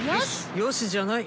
よしじゃない。